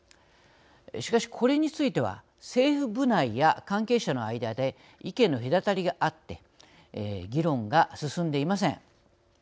しかし、これについては政府部内や関係者の間で意見の隔たりがあって議論が進んでいません。